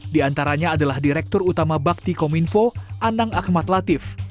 di antaranya adalah direktur utama baktikominfo anang ahmad latif